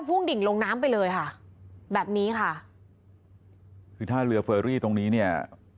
่งดิ่งลงน้ำไปเลยค่ะแบบนี้ค่ะคือถ้าเรือเฟอรี่ตรงนี้เนี่ย